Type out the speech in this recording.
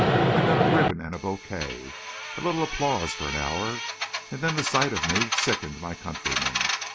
_... I got a ribbon and a bouquet—a little applause for an hour—and then the sight of me sickened my countrymen.